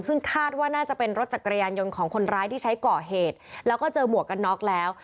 ซึ่งคาดว่าน่าจะเป็นรถจักรยานยนต์ของคนร้ายที่ใช้ก่อเหตุแล้วก็เจอหมวกกันน็อกแล้ว